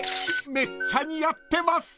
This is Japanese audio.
［めっちゃ似合ってます！］